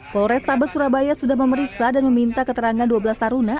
polrestabes surabaya sudah memeriksa dan meminta keterangan dua belas taruna